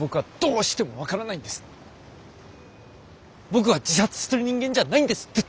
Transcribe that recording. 僕は自殺する人間じゃないんです絶対！